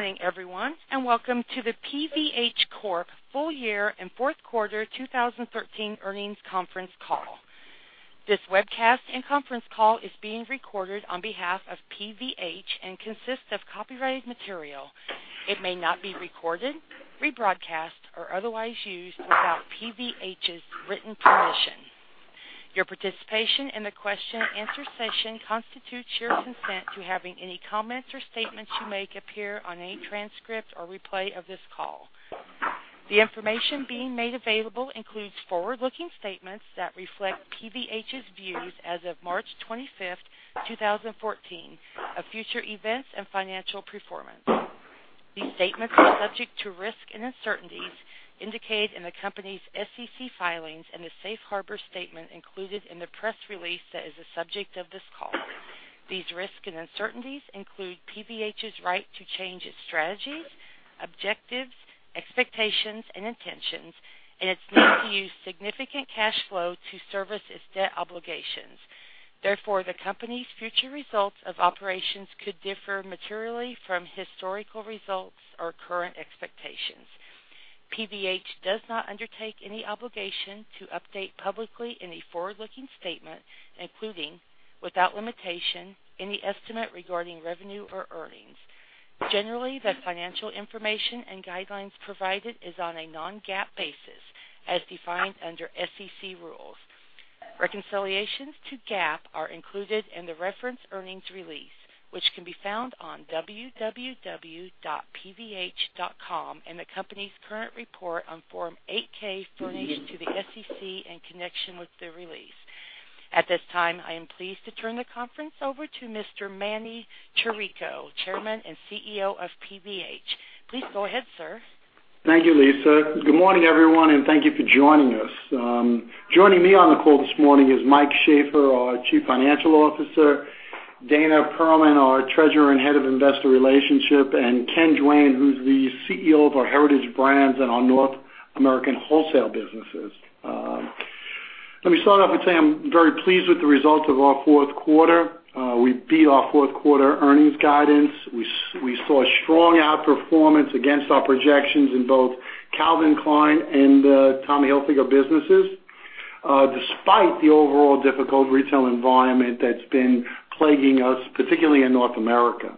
Good morning, everyone, and welcome to the PVH Corp full year and fourth quarter 2013 earnings conference call. This webcast and conference call is being recorded on behalf of PVH and consists of copyrighted material. It may not be recorded, rebroadcast, or otherwise used without PVH's written permission. Your participation in the question-answer session constitutes your consent to having any comments or statements you make appear on any transcript or replay of this call. The information being made available includes forward-looking statements that reflect PVH's views as of March 25th, 2014, of future events and financial performance. These statements are subject to risks and uncertainties indicated in the company's SEC filings and the safe harbor statement included in the press release that is the subject of this call. These risks and uncertainties include PVH's right to change its strategies, objectives, expectations, and intentions, and its need to use significant cash flow to service its debt obligations. Therefore, the company's future results of operations could differ materially from historical results or current expectations. PVH does not undertake any obligation to update publicly any forward-looking statement, including, without limitation, any estimate regarding revenue or earnings. Generally, the financial information and guidelines provided is on a non-GAAP basis as defined under SEC rules. Reconciliations to GAAP are included in the reference earnings release, which can be found on www.pvh.com in the company's current report on Form 8-K furnished to the SEC in connection with the release. At this time, I am pleased to turn the conference over to Mr. Emanuel Chirico, Chairman and CEO of PVH. Please go ahead, sir. Thank you, Lisa. Good morning, everyone, and thank you for joining us. Joining me on the call this morning is Michael Shaffer, our Chief Financial Officer, Dana Perlman, our Treasurer and Head of Investor Relations, and Ken Duane, who's the CEO of our Heritage Brands and our North American wholesale businesses. Let me start off by saying I'm very pleased with the results of our fourth quarter. We beat our fourth quarter earnings guidance. We saw strong outperformance against our projections in both Calvin Klein and Tommy Hilfiger businesses, despite the overall difficult retail environment that's been plaguing us, particularly in North America.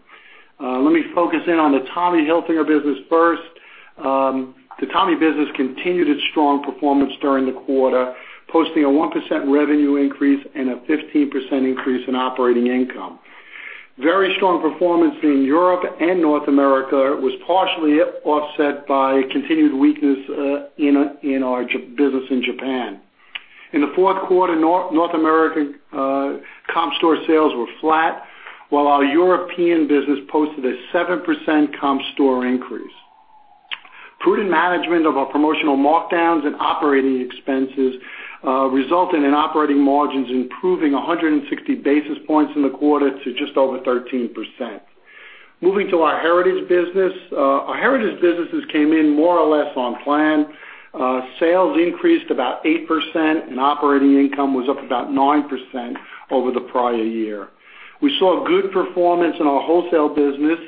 Let me focus in on the Tommy Hilfiger business first. The Tommy business continued its strong performance during the quarter, posting a 1% revenue increase and a 15% increase in operating income. Very strong performance in Europe and North America was partially offset by continued weakness in our business in Japan. In the fourth quarter, North American comp store sales were flat, while our European business posted a 7% comp store increase. Prudent management of our promotional markdowns and operating expenses resulted in operating margins improving 160 basis points in the quarter to just over 13%. Moving to our Heritage business. Our Heritage businesses came in more or less on plan. Sales increased about 8% and operating income was up about 9% over the prior year. We saw good performance in our wholesale business,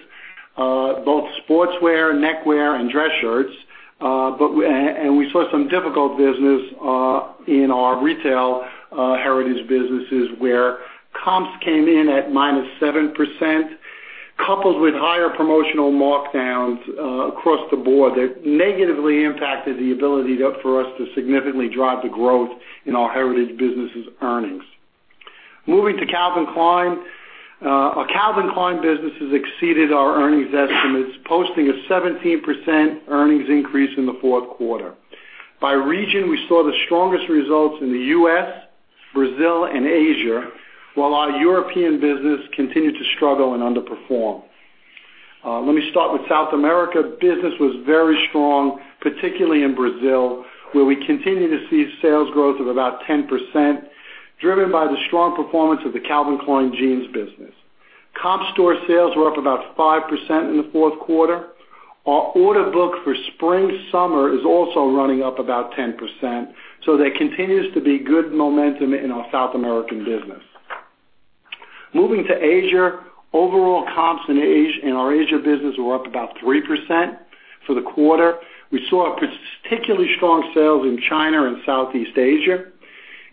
both sportswear, neckwear, and dress shirts. We saw some difficult business in our retail Heritage Brands where comps came in at -7%, coupled with higher promotional markdowns across the board that negatively impacted the ability for us to significantly drive the growth in our Heritage Brands earnings. Moving to Calvin Klein. Our Calvin Klein businesses exceeded our earnings estimates, posting a 17% earnings increase in the fourth quarter. By region, we saw the strongest results in the U.S., Brazil, and Asia, while our European business continued to struggle and underperform. Let me start with South America. Business was very strong, particularly in Brazil, where we continue to see sales growth of about 10%, driven by the strong performance of the Calvin Klein Jeans business. Comp store sales were up about 5% in the fourth quarter. Our order book for spring/summer is also running up about 10%. There continues to be good momentum in our South American business. Moving to Asia. Overall comps in our Asia business were up about 3% for the quarter. We saw particularly strong sales in China and Southeast Asia.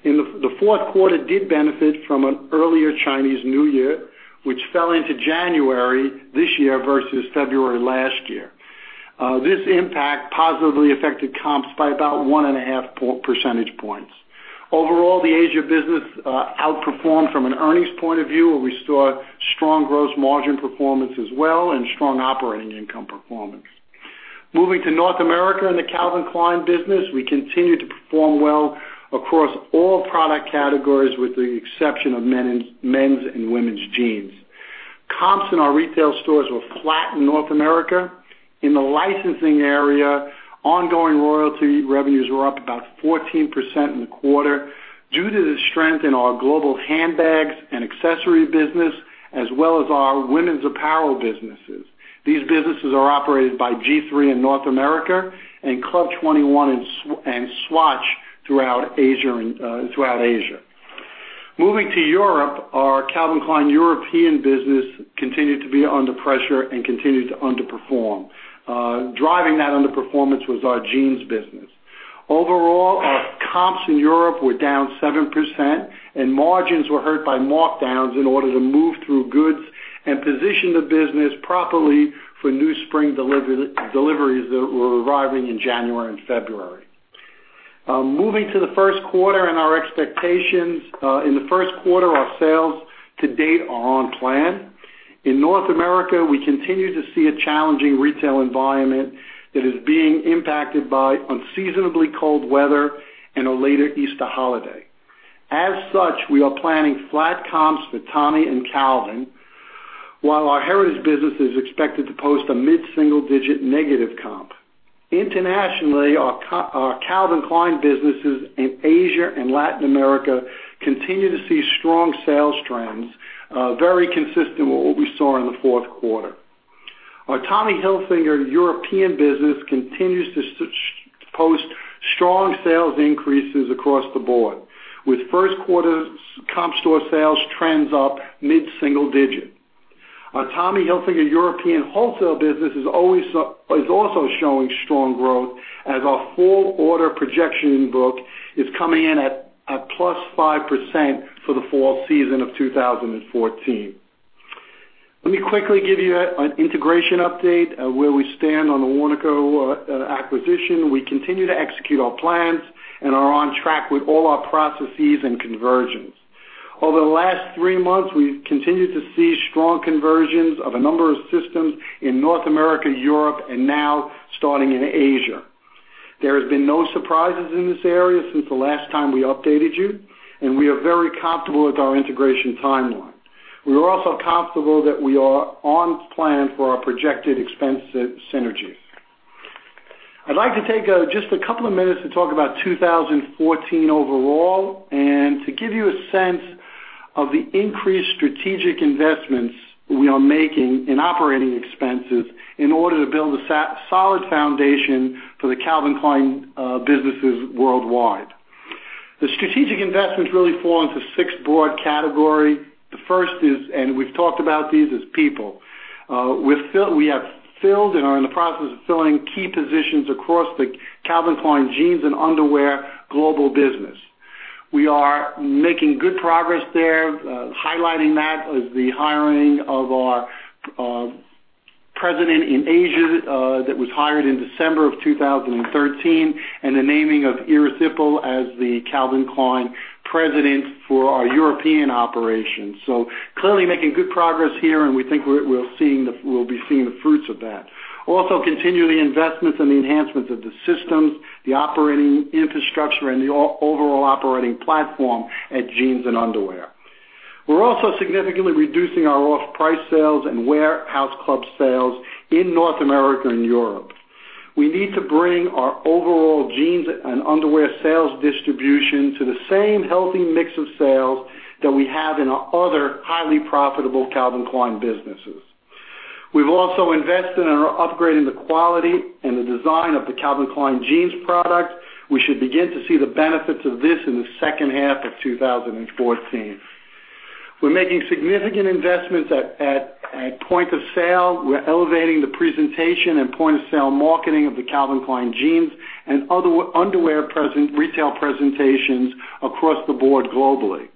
The fourth quarter did benefit from an earlier Chinese New Year, which fell into January this year versus February last year. This impact positively affected comps by about one and a half percentage points. Overall, the Asia business outperformed from an earnings point of view, where we saw strong gross margin performance as well and strong operating income performance. Moving to North America and the Calvin Klein business. We continue to perform well across all product categories, with the exception of men's and women's jeans. Comps in our retail stores were flat in North America. In the licensing area, ongoing royalty revenues were up about 14% in the quarter due to the strength in our global handbags and accessory business, as well as our women's apparel businesses. These businesses are operated by G-III in North America and Club 21 and Swatch throughout Asia. Moving to Europe, our Calvin Klein European business continued to be under pressure and continued to underperform. Driving that underperformance was our Jeans business. Overall, our comps in Europe were down 7%, and margins were hurt by markdowns in order to move through goods and position the business properly for new spring deliveries that were arriving in January and February. Moving to the first quarter and our expectations. In the first quarter, our sales to date are on plan. In North America, we continue to see a challenging retail environment that is being impacted by unseasonably cold weather and a later Easter holiday. As such, we are planning flat comps for Tommy and Calvin, while our Heritage Brands is expected to post a mid-single-digit negative comp. Internationally, our Calvin Klein businesses in Asia and Latin America continue to see strong sales trends, very consistent with what we saw in the fourth quarter. Our Tommy Hilfiger European business continues to post strong sales increases across the board, with first quarter comp store sales trends up mid-single digit. Our Tommy Hilfiger European wholesale business is also showing strong growth as our fall order projection book is coming in at a +5% for the fall season of 2014. Let me quickly give you an integration update of where we stand on the Warnaco acquisition. We continue to execute our plans and are on track with all our processes and conversions. Over the last three months, we've continued to see strong conversions of a number of systems in North America, Europe, and now starting in Asia. There has been no surprises in this area since the last time we updated you, and we are very comfortable with our integration timeline. We are also comfortable that we are on plan for our projected expense synergies. I'd like to take just a couple of minutes to talk about 2014 overall, and to give you a sense of the increased strategic investments we are making in operating expenses in order to build a solid foundation for the Calvin Klein businesses worldwide. The strategic investments really fall into six broad category. The first is, and we've talked about these, is people. We have filled and are in the process of filling key positions across the Calvin Klein Jeans and underwear global business. We are making good progress there. Highlighting that is the hiring of our president in Asia that was hired in December of 2013 and the naming of Iris Epple-Righi as the Calvin Klein President for our European operations. Clearly making good progress here and we think we'll be seeing the fruits of that. Also continually investments in the enhancements of the systems, the operating infrastructure, and the overall operating platform at Jeans and underwear. We're also significantly reducing our off-price sales and warehouse club sales in North America and Europe. We need to bring our overall Jeans and underwear sales distribution to the same healthy mix of sales that we have in our other highly profitable Calvin Klein businesses. We've also invested in upgrading the quality and the design of the Calvin Klein Jeans product. We should begin to see the benefits of this in the second half of 2014. We're making significant investments at point of sale. We're elevating the presentation and point-of-sale marketing of the Calvin Klein Jeans and underwear retail presentations across the board globally.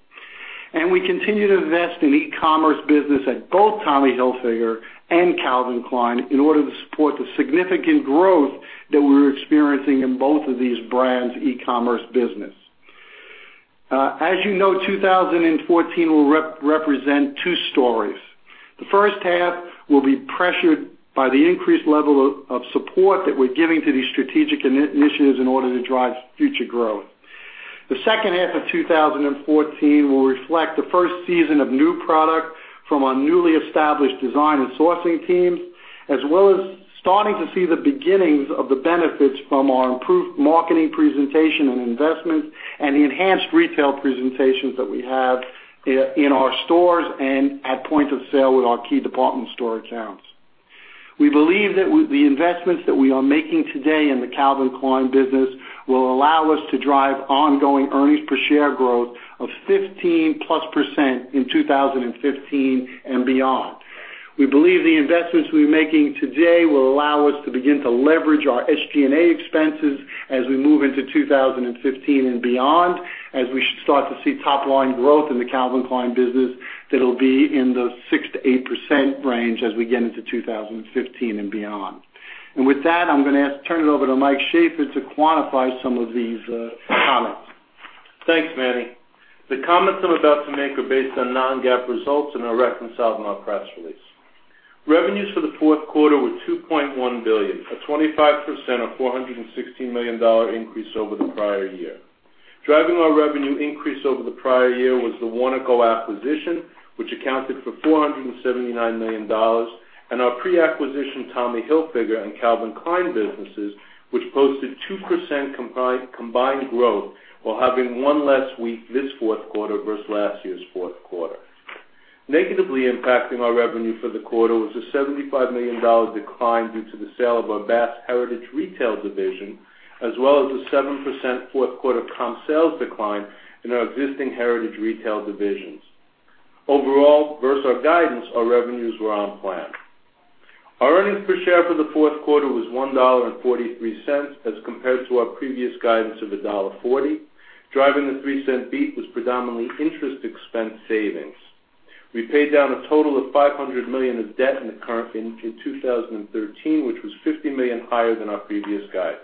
We continue to invest in e-commerce business at both Tommy Hilfiger and Calvin Klein in order to support the significant growth that we're experiencing in both of these brands' e-commerce business. As you know, 2014 will represent two stories. The first half will be pressured by the increased level of support that we're giving to these strategic initiatives in order to drive future growth. The second half of 2014 will reflect the first season of new product from our newly established design and sourcing teams, as well as starting to see the beginnings of the benefits from our improved marketing presentation and investments and the enhanced retail presentations that we have in our stores and at point of sale with our key department store accounts. We believe that the investments that we are making today in the Calvin Klein business will allow us to drive ongoing earnings per share growth of 15%+ in 2015 and beyond. We believe the investments we're making today will allow us to begin to leverage our SG&A expenses as we move into 2015 and beyond, as we should start to see top-line growth in the Calvin Klein business that'll be in the 6%-8% range as we get into 2015 and beyond. With that, I'm going to turn it over to Mike Shaffer to quantify some of these comments. Thanks, Manny. The comments I'm about to make are based on non-GAAP results and are reconciled in our press release. Revenues for the fourth quarter were $2.1 billion, a 25% or $416 million increase over the prior year. Driving our revenue increase over the prior year was the Warnaco acquisition, which accounted for $479 million, and our pre-acquisition Tommy Hilfiger and Calvin Klein businesses, which posted 2% combined growth while having one less week this fourth quarter versus last year's fourth quarter. Negatively impacting our revenue for the quarter was a $75 million decline due to the sale of our Bass Heritage retail division, as well as a 7% fourth quarter comp sales decline in our existing Heritage retail divisions. Overall, versus our guidance, our revenues were on plan. Our earnings per share for the fourth quarter was $1.43 as compared to our previous guidance of $1.40. Driving the $0.03 beat was predominantly interest expense savings. We paid down a total of $500 million of debt in 2013, which was $50 million higher than our previous guidance.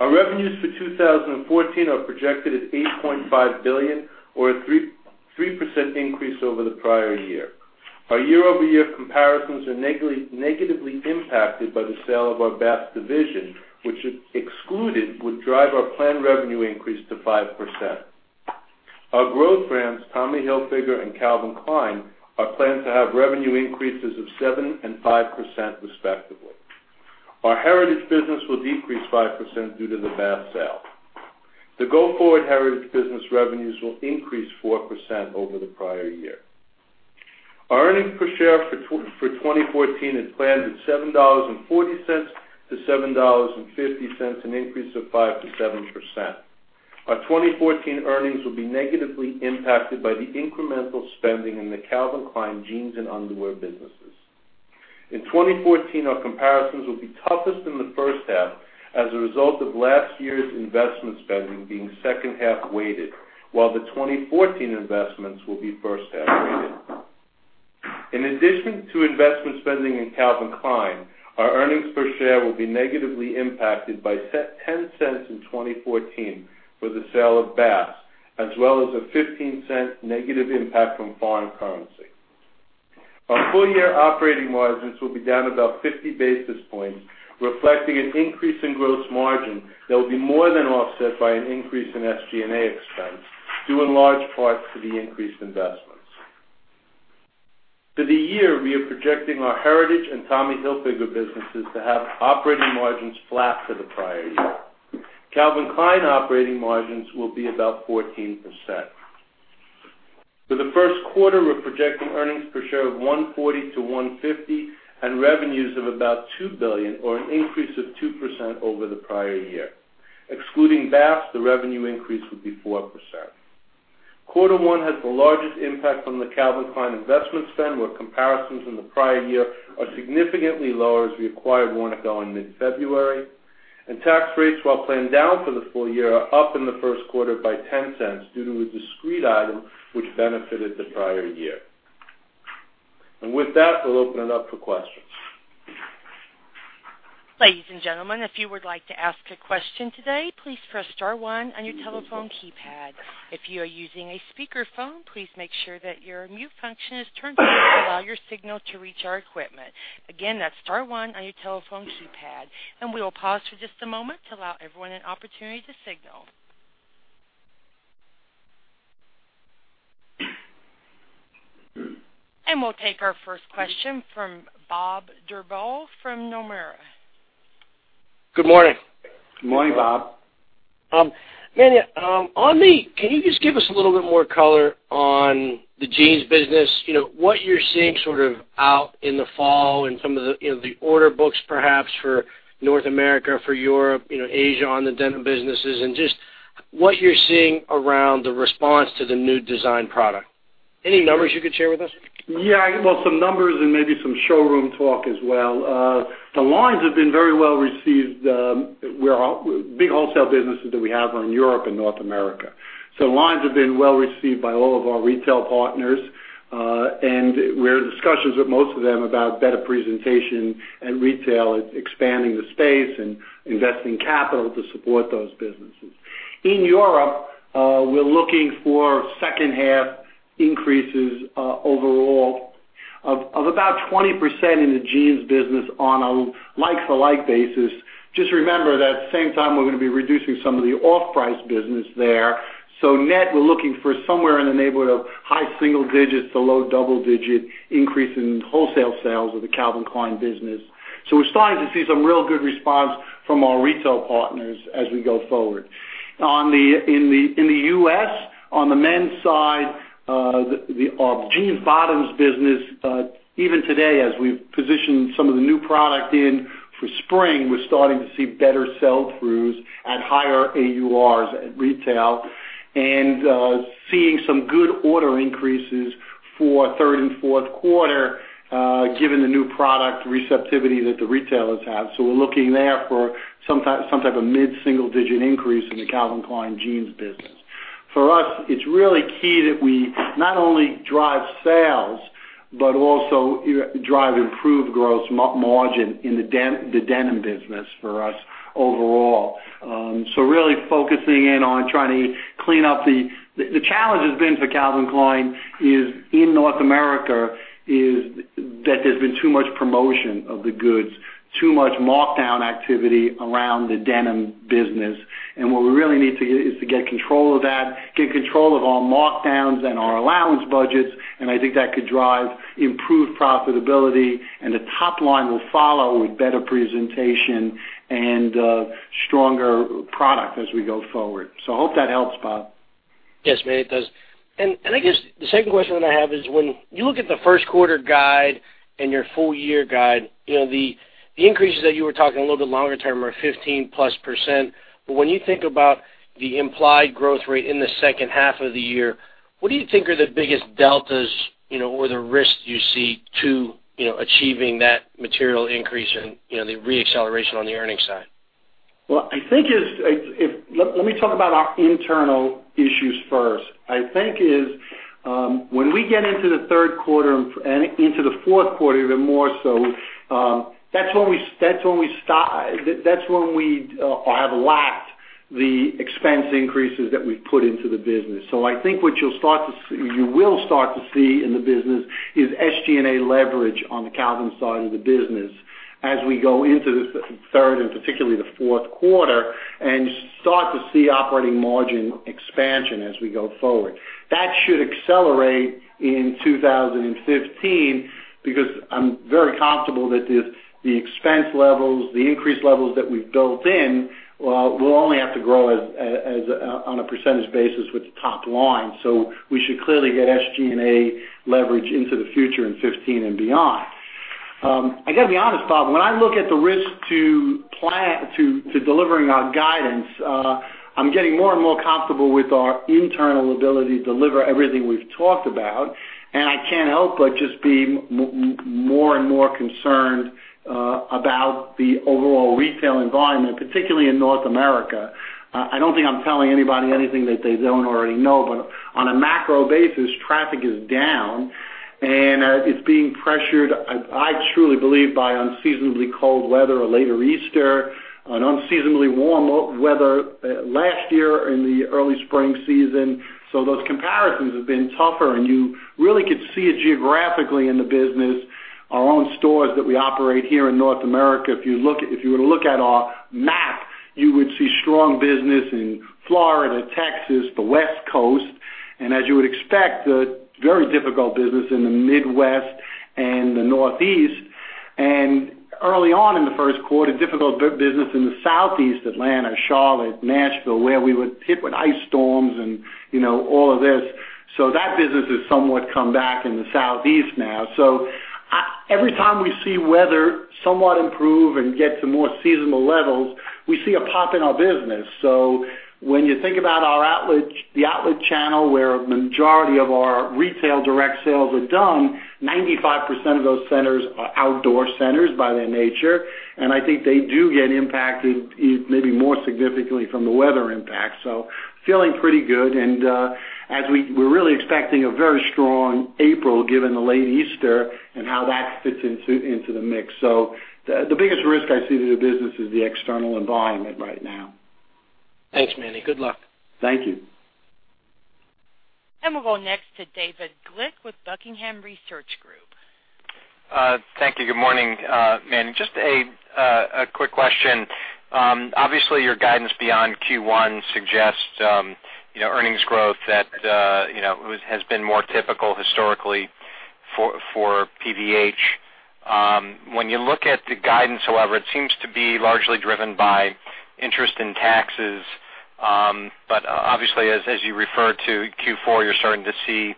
Our revenues for 2014 are projected at $8.5 billion, or a 3% increase over the prior year. Our year-over-year comparisons are negatively impacted by the sale of our Bass division, which if excluded, would drive our planned revenue increase to 5%. Our growth brands, Tommy Hilfiger and Calvin Klein, are planned to have revenue increases of 7% and 5% respectively. Our Heritage business will decrease 5% due to the Bass sale. The go-forward Heritage business revenues will increase 4% over the prior year. Our earnings per share for 2014 is planned at $7.40-$7.50, an increase of 5%-7%. Our 2014 earnings will be negatively impacted by the incremental spending in the Calvin Klein Jeans and underwear businesses. In 2014, our comparisons will be toughest in the first half as a result of last year's investment spending being second half weighted, while the 2014 investments will be first half weighted. In addition to investment spending in Calvin Klein, our earnings per share will be negatively impacted by $0.10 in 2014 for the sale of Bass, as well as a $0.15 negative impact from foreign currency. Our full-year operating margins will be down about 50 basis points, reflecting an increase in gross margin that will be more than offset by an increase in SG&A expense, due in large part to the increased investments. For the year, we are projecting our Heritage and Tommy Hilfiger businesses to have operating margins flat to the prior year. Calvin Klein operating margins will be about 14%. For the first quarter, we're projecting earnings per share of $1.40-$1.50 and revenues of about $2 billion, or an increase of 2% over the prior year. Excluding Bass, the revenue increase would be 4%. Quarter one has the largest impact on the Calvin Klein investment spend, where comparisons in the prior year are significantly lower as we acquired Warnaco in mid-February. Tax rates, while planned down for the full year, are up in the first quarter by $0.10 due to a discrete item which benefited the prior year. With that, we'll open it up for questions. Ladies and gentlemen, if you would like to ask a question today, please press star one on your telephone keypad. If you are using a speakerphone, please make sure that your mute function is turned on to allow your signal to reach our equipment. Again, that's star one on your telephone keypad. We will pause for just a moment to allow everyone an opportunity to signal. We'll take our first question from Bob Drbul from Nomura. Good morning. Good morning, Bob. Emanuel, can you just give us a little bit more color on the jeans business? What you're seeing sort of out in the fall in some of the order books, perhaps for North America, Europe, Asia on the denim businesses, and just what you're seeing around the response to the new design product. Any numbers you could share with us? Yeah. Well, some numbers and maybe some showroom talk as well. The lines have been very well received. Big wholesale businesses that we have are in Europe and North America. Lines have been well received by all of our retail partners. We're in discussions with most of them about better presentation at retail, expanding the space, and investing capital to support those businesses. In Europe, we're looking for second half increases overall of about 20% in the jeans business on a like-to-like basis. Just remember that same time, we're going to be reducing some of the off-price business there. Net, we're looking for somewhere in the neighborhood of high single digits to low double-digit increase in wholesale sales of the Calvin Klein business. We're starting to see some real good response from our retail partners as we go forward. In the U.S., on the men's side, our jean bottoms business even today as we position some of the new product in for spring, we're starting to see better sell-throughs and higher AURs at retail and seeing some good order increases for third and fourth quarter given the new product receptivity that the retailers have. We're looking there for some type of mid-single-digit increase in the Calvin Klein Jeans business. For us, it's really key that we not only drive sales but also drive improved gross margin in the denim business for us overall. Really focusing in on trying to clean up. The challenge has been for Calvin Klein is in North America, is that there's been too much promotion of the goods, too much markdown activity around the denim business. What we really need to do is to get control of that, get control of our markdowns and our allowance budgets, I think that could drive improved profitability, the top line will follow with better presentation and stronger product as we go forward. I hope that helps, Bob. Yes, Manny, it does. I guess the second question that I have is when you look at the first quarter guide and your full-year guide, the increases that you were talking a little bit longer term are 15%+. When you think about the implied growth rate in the second half of the year, what do you think are the biggest deltas, or the risks you see to achieving that material increase in the re-acceleration on the earnings side? Well, let me talk about our internal issues first. I think when we get into the third quarter, and into the fourth quarter even more so, that's when we have lapped the expense increases that we've put into the business. I think what you will start to see in the business is SG&A leverage on the Calvin side of the business as we go into the third and particularly the fourth quarter, and start to see operating margin expansion as we go forward. That should accelerate in 2015, because I'm very comfortable that the expense levels, the increased levels that we've built in, will only have to grow on a percentage basis with the top line. We should clearly get SG&A leverage into the future in 2015 and beyond. I got to be honest, Bob, when I look at the risk to delivering our guidance, I'm getting more and more comfortable with our internal ability to deliver everything we've talked about. I can't help but just be more and more concerned about the overall retail environment, particularly in North America. I don't think I'm telling anybody anything that they don't already know, but on a macro basis, traffic is down, and it's being pressured, I truly believe, by unseasonably cold weather, a later Easter, an unseasonably warm weather last year in the early spring season. Those comparisons have been tougher, and you really could see it geographically in the business. Our own stores that we operate here in North America, if you were to look at our map, you would see strong business in Florida, Texas, the West Coast, and as you would expect, very difficult business in the Midwest and the Northeast. Early on in the first quarter, difficult business in the Southeast, Atlanta, Charlotte, Nashville, where we would hit with ice storms and all of this. That business has somewhat come back in the Southeast now. Every time we see weather somewhat improve and get to more seasonal levels, we see a pop in our business. When you think about the outlet channel, where a majority of our retail direct sales are done, 95% of those centers are outdoor centers by their nature, and I think they do get impacted maybe more significantly from the weather impact. Feeling pretty good, as we're really expecting a very strong April given the late Easter and how that fits into the mix. The biggest risk I see to the business is the external environment right now. Thanks, Manny. Good luck. Thank you. We'll go next to David Glick with Buckingham Research Group. Thank you. Good morning. Manny, just a quick question. Obviously, your guidance beyond Q1 suggests earnings growth that has been more typical historically for PVH. When you look at the guidance, however, it seems to be largely driven by interest in taxes. Obviously, as you referred to Q4, you are starting to see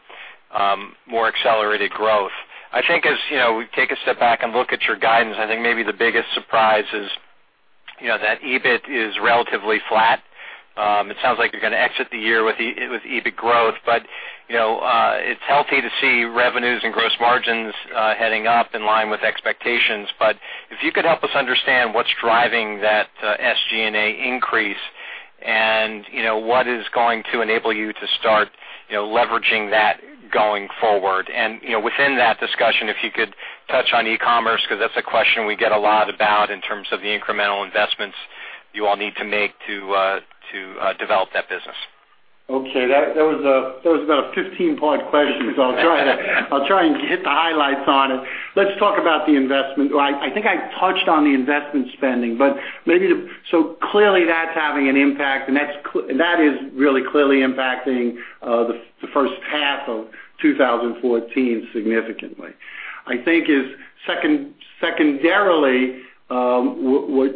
more accelerated growth. I think as we take a step back and look at your guidance, I think maybe the biggest surprise is that EBIT is relatively flat. It sounds like you are going to exit the year with EBIT growth, but it is healthy to see revenues and gross margins heading up in line with expectations. If you could help us understand what is driving that SG&A increase and what is going to enable you to start leveraging that going forward. Within that discussion, if you could touch on e-commerce, because that is a question we get a lot about in terms of the incremental investments you all need to make to develop that business. Okay. That was about a 15-point question, so I will try and hit the highlights on it. Let us talk about the investment. I think I touched on the investment spending. Clearly, that is having an impact, and that is really clearly impacting the first half of 2014 significantly. I think secondarily,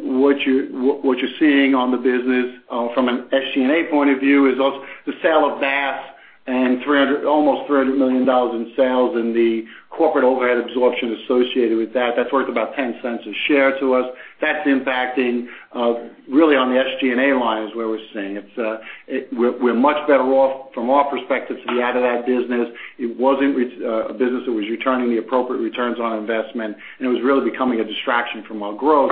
what you are seeing on the business from an SG&A point of view is the sale of Bass and almost $300 million in sales and the corporate overhead absorption associated with that. That is worth about $0.10 a share to us. That is impacting really on the SG&A line is where we are seeing. We are much better off, from our perspective, to be out of that business. It was not a business that was returning the appropriate returns on investment, and it was really becoming a distraction from our growth.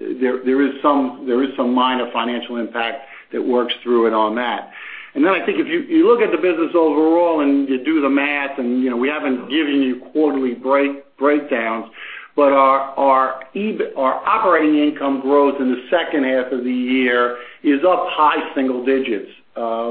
There is some minor financial impact that works through it on that. I think if you look at the business overall and you do the math, we have not given you quarterly breakdowns, our operating income growth in the second half of the year is up high single digits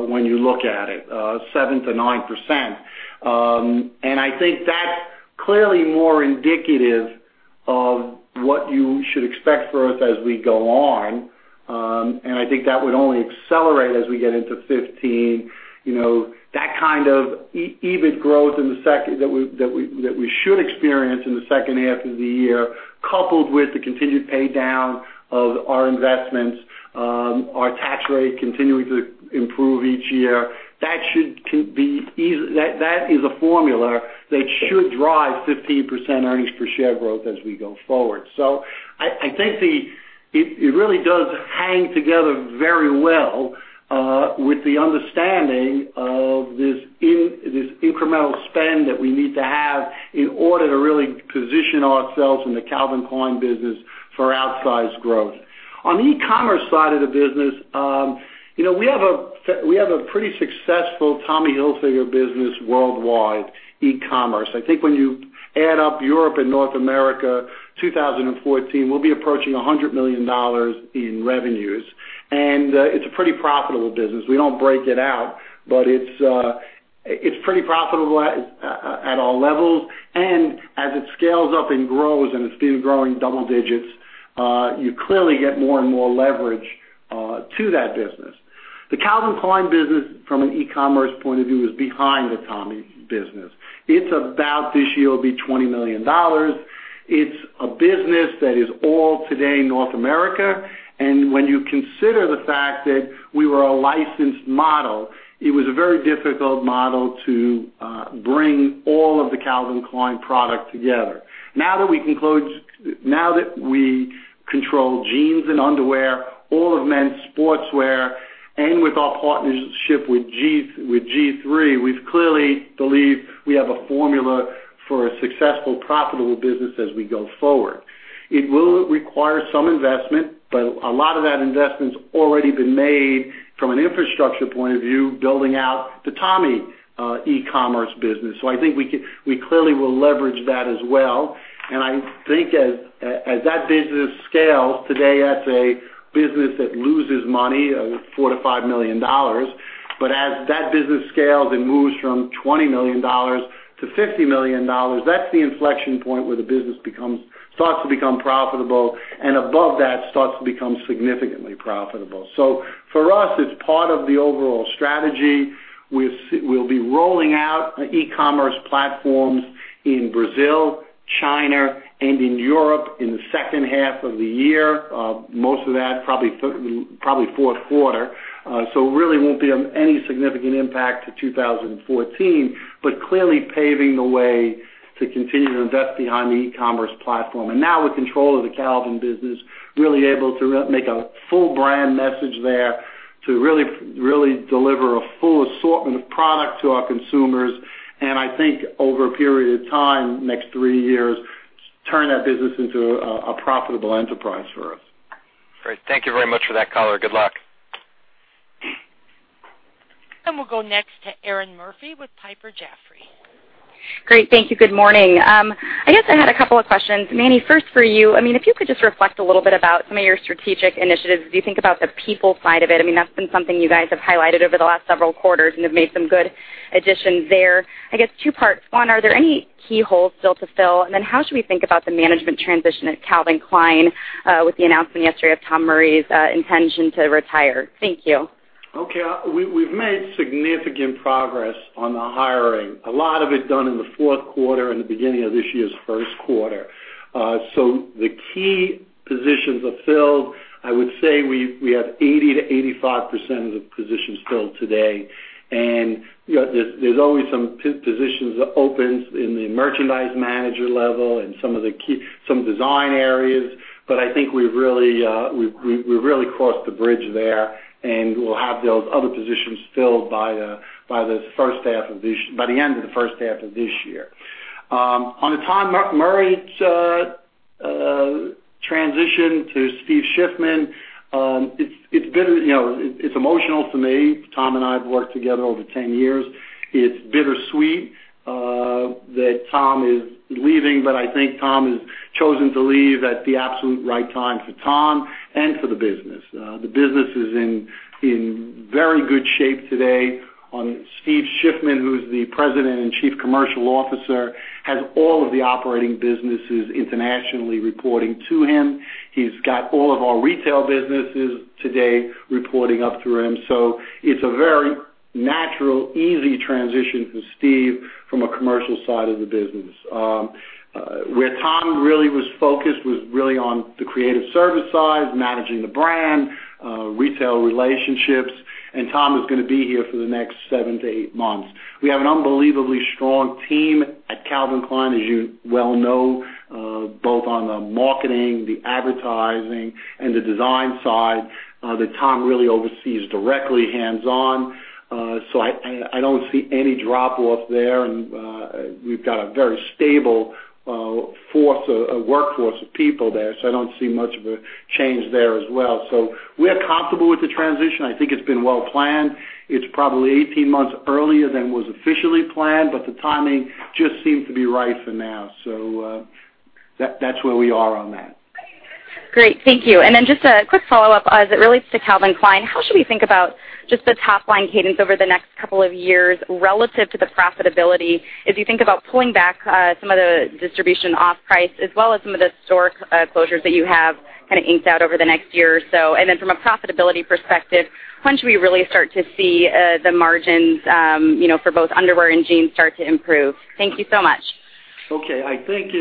when you look at it, 7%-9%. I think that is clearly more indicative of what you should expect for us as we go on. I think that would only accelerate as we get into 2015. kind of EBIT growth that we should experience in the second half of the year, coupled with the continued pay-down of our investments, our tax rate continuing to improve each year. That is a formula that should drive 15% earnings per share growth as we go forward. I think it really does hang together very well with the understanding of this incremental spend that we need to have in order to really position ourselves in the Calvin Klein business for outsized growth. On the e-commerce side of the business, we have a pretty successful Tommy Hilfiger business worldwide, e-commerce. I think when you add up Europe and North America, 2014, we'll be approaching $100 million in revenues, and it's a pretty profitable business. We don't break it out, but it's pretty profitable at all levels. As it scales up and grows, and it's been growing double digits, you clearly get more and more leverage to that business. The Calvin Klein business from an e-commerce point of view is behind the Tommy business. This year, it'll be $20 million. It's a business that is all today North America. When you consider the fact that we were a licensed model, it was a very difficult model to bring all of the Calvin Klein product together. Now that we control jeans and underwear, all of men's sportswear, and with our partnership with G-III, we clearly believe we have a formula for a successful, profitable business as we go forward. It will require some investment, but a lot of that investment's already been made from an infrastructure point of view, building out the Tommy e-commerce business. I think we clearly will leverage that as well. I think as that business scales, today that's a business that loses money, $4 million-$5 million. As that business scales and moves from $20 million-$50 million, that's the inflection point where the business starts to become profitable, and above that, starts to become significantly profitable. For us, it's part of the overall strategy. We'll be rolling out e-commerce platforms in Brazil, China, and in Europe in the second half of the year. Most of that probably fourth quarter. Really won't be any significant impact to 2014, but clearly paving the way to continue to invest behind the e-commerce platform. Now with control of the Calvin business, really able to make a full brand message there to really deliver a full assortment of product to our consumers. I think over a period of time, next three years, turn that business into a profitable enterprise for us. Great. Thank you very much for that, caller. Good luck. We'll go next to Erinn Murphy with Piper Jaffray. Great. Thank you. Good morning. I guess I had a couple of questions. Manny, first for you. If you could just reflect a little bit about some of your strategic initiatives as you think about the people side of it. That's been something you guys have highlighted over the last several quarters and have made some good additions there. I guess two parts. One, are there any key holes still to fill? How should we think about the management transition at Calvin Klein with the announcement yesterday of Tom Murry's intention to retire? Thank you. Okay. We've made significant progress on the hiring. A lot of it done in the fourth quarter and the beginning of this year's first quarter. The key positions are filled. I would say we have 80%-85% of the positions filled today. There's always some positions opens in the merchandise manager level and some design areas. I think we really crossed the bridge there, and we'll have those other positions filled by the end of the first half of this year. On the Tom Murry transition to Steve Shiffman, it's emotional for me. Tom and I have worked together over 10 years. It's bittersweet that Tom is leaving, but I think Tom has chosen to leave at the absolute right time for Tom and for the business. The business is in very good shape today. Steve Shiffman, who's the president and chief commercial officer, has all of the operating businesses internationally reporting to him. He's got all of our retail businesses today reporting up through him. It's a very natural, easy transition for Steve from a commercial side of the business. Where Tom really was focused was really on the creative service side, managing the brand, retail relationships, and Tom is going to be here for the next seven to eight months. We have an unbelievably strong team at Calvin Klein, as you well know, both on the marketing, the advertising, and the design side that Tom really oversees directly hands-on. I don't see any drop-off there, and we've got a very stable workforce of people there, so I don't see much of a change there as well. We're comfortable with the transition. I think it's been well planned. It's probably 18 months earlier than was officially planned, but the timing just seemed to be right for now. That's where we are on that. Great. Thank you. Just a quick follow-up as it relates to Calvin Klein. How should we think about just the top-line cadence over the next couple of years relative to the profitability? If you think about pulling back some of the distribution off price as well as some of the store closures that you have kind of inked out over the next year or so. From a profitability perspective, when should we really start to see the margins for both underwear and jeans start to improve? Thank you so much. Okay. I think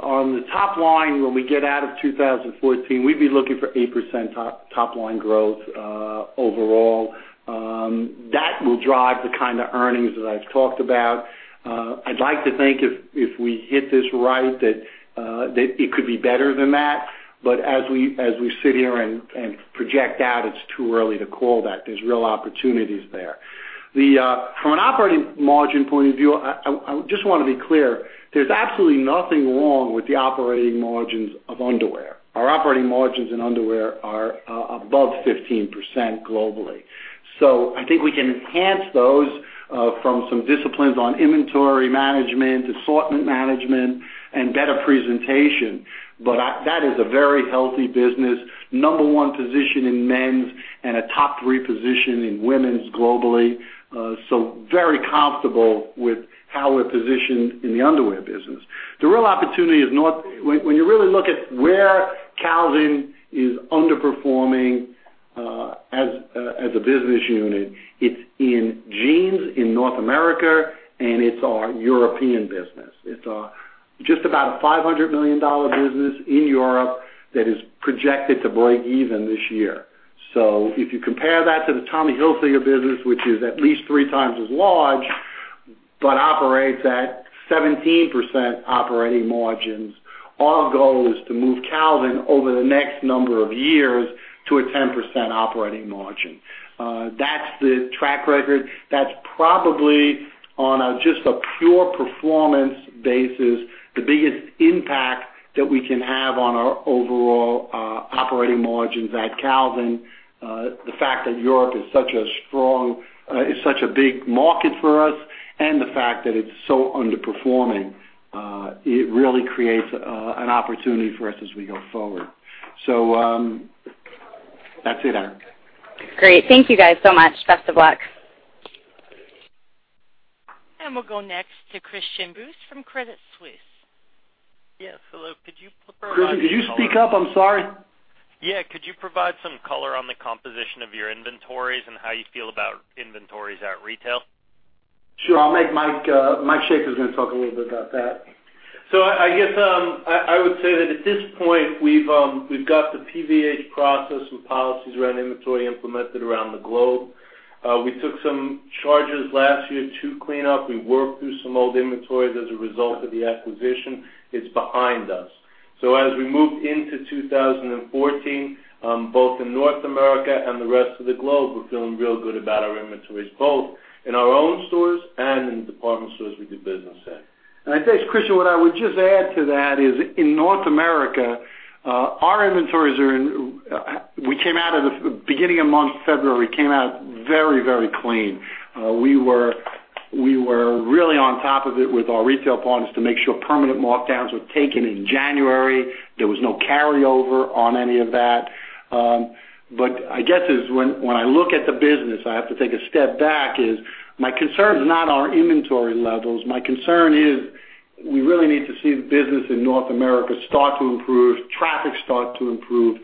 on the top-line, when we get out of 2014, we'd be looking for 8% top-line growth overall. That will drive the kind of earnings that I've talked about. I'd like to think if we hit this right, that it could be better than that. As we sit here and project out, it's too early to call that. There's real opportunities there. From an operating margin point of view, I just want to be clear, there's absolutely nothing wrong with the operating margins of underwear. Our operating margins in underwear are above 15% globally. I think we can enhance those from some disciplines on inventory management, assortment management, and better presentation. But that is a very healthy business. Number one position in men's, and a top three position in women's globally. Very comfortable with how we're positioned in the underwear business. The real opportunity is when you really look at where Calvin is underperforming as a business unit, it's in jeans in North America, and it's our European business. It's just about a $500 million business in Europe that is projected to break even this year. If you compare that to the Tommy Hilfiger business, which is at least three times as large but operates at 17% operating margins, our goal is to move Calvin over the next number of years to a 10% operating margin. That's the track record. That's probably, on just a pure performance basis, the biggest impact that we can have on our overall operating margins at Calvin. The fact that Europe is such a big market for us, and the fact that it's so underperforming, it really creates an opportunity for us as we go forward. That's it, Erinn. Great. Thank you guys so much. Best of luck. We'll go next to Christian Buss from Credit Suisse. Yes, hello. Could you provide some color- Christian, could you speak up? I'm sorry. Yeah. Could you provide some color on the composition of your inventories and how you feel about inventories at retail? Sure. Mike Shaffer is going to talk a little bit about that. I guess, I would say that at this point, we've got the PVH process and policies around inventory implemented around the globe. We took some charges last year to clean up. We worked through some old inventories as a result of the acquisition. It's behind us. As we move into 2014, both in North America and the rest of the globe, we're feeling real good about our inventories, both in our own stores and in the department stores we do business in. I think, Christian, what I would just add to that is, in North America, our inventories, beginning of month February, came out very clean. We were really on top of it with our retail partners to make sure permanent markdowns were taken in January. There was no carryover on any of that. I guess, when I look at the business, I have to take a step back is, my concern is not our inventory levels. My concern is we really need to see the business in North America start to improve, traffic start to improve,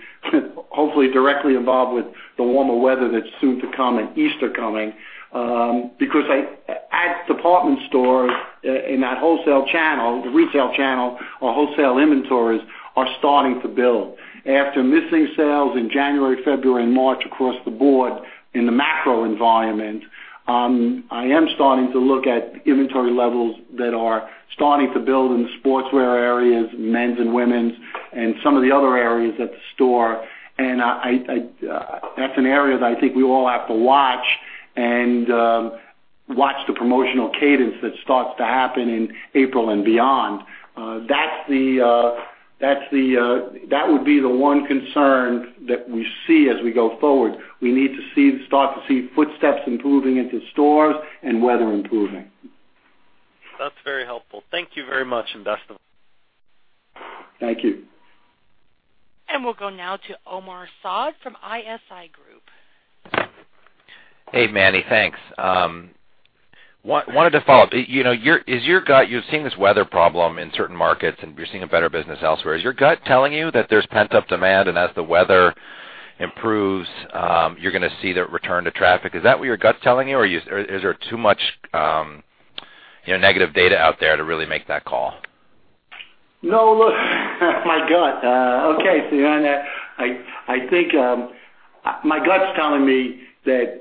hopefully directly involved with the warmer weather that's soon to come and Easter coming. At department stores, in that wholesale channel, the retail channel or wholesale inventories are starting to build. After missing sales in January, February, and March across the board in the macro environment, I am starting to look at inventory levels that are starting to build in the sportswear areas, men's and women's, and some of the other areas at the store. That's an area that I think we all have to watch, and watch the promotional cadence that starts to happen in April and beyond. That would be the one concern that we see as we go forward. We need to start to see footsteps improving into stores and weather improving. That's very helpful. Thank you very much, and best of luck. Thank you. We'll go now to Omar Saad from ISI Group. Hey, Manny. Thanks. One to follow. You've seen this weather problem in certain markets, and you're seeing a better business elsewhere. Is your gut telling you that there's pent-up demand, and as the weather improves, you're gonna see the return to traffic? Is that what your gut's telling you, or is there too much negative data out there to really make that call? My gut. Okay. I think my gut's telling me that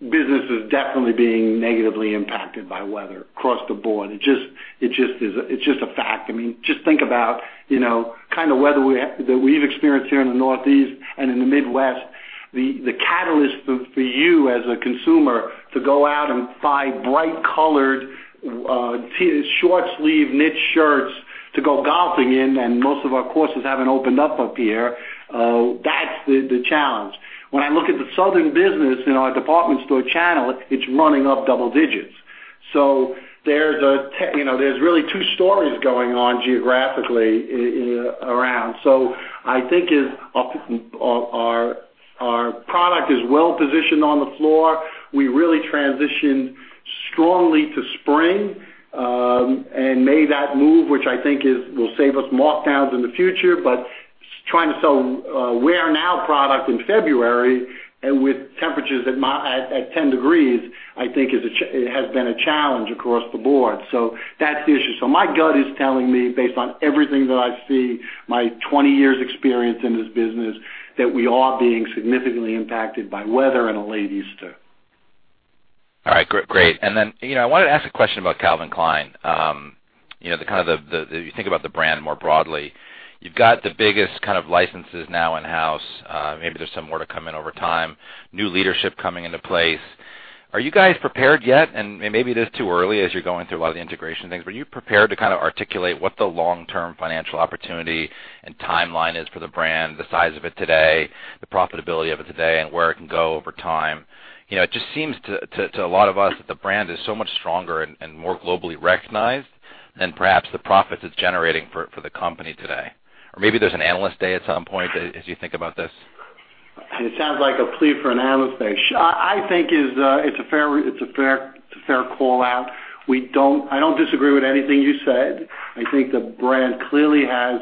business is definitely being negatively impacted by weather across the board. It's just a fact. Just think about the kind of weather that we've experienced here in the Northeast and in the Midwest. The catalyst for you as a consumer to go out and buy bright colored short sleeve knit shirts to go golfing in, and most of our courses haven't opened up here. That's the challenge. When I look at the southern business in our department store channel, it's running up double digits. There's really two stories going on geographically around. I think our product is well positioned on the floor. We really transitioned strongly to spring, and made that move, which I think will save us markdowns in the future. Trying to sell wear-now product in February with temperatures at 10 degrees, I think has been a challenge across the board. That's the issue. My gut is telling me, based on everything that I see, my 20 years' experience in this business, that we are being significantly impacted by weather and a late Easter. All right. Great. Then, I wanted to ask a question about Calvin Klein. If you think about the brand more broadly, you've got the biggest licenses now in-house. Maybe there's some more to come in over time, new leadership coming into place. Are you guys prepared yet? Maybe it is too early as you're going through a lot of the integration things, are you prepared to articulate what the long-term financial opportunity and timeline is for the brand, the size of it today, the profitability of it today, and where it can go over time? It just seems to a lot of us that the brand is so much stronger and more globally recognized than perhaps the profits it's generating for the company today. Maybe there's an Analyst Day at some point as you think about this. It sounds like a plea for an Analyst Day. I think it's a fair call-out. I don't disagree with anything you said. I think the brand clearly has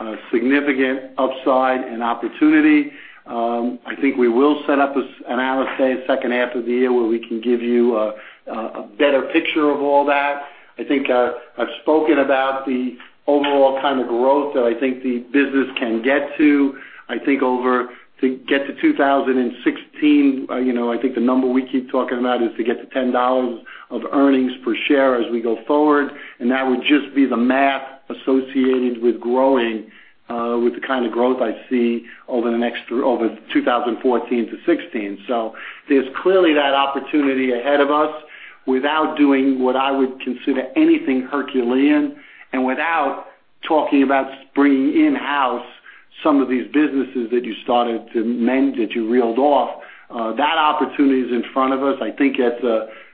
a significant upside and opportunity. I think we will set up an Analyst Day second half of the year where we can give you a better picture of all that. I think I've spoken about the overall kind of growth that I think the business can get to. I think to get to 2016, I think the number we keep talking about is to get to $10 of earnings per share as we go forward. That would just be the math associated with the kind of growth I see over 2014-2016. There's clearly that opportunity ahead of us without doing what I would consider anything Herculean and without talking about bringing in-house some of these businesses that you started to name, that you reeled off. That opportunity is in front of us. I think